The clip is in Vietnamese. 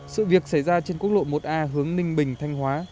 sự việc xảy ra trên quốc lộ một a hướng ninh bình thanh hóa